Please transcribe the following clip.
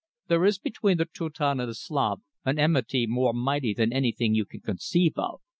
There is between the Teuton and the Slav an enmity more mighty than anything you can conceive of.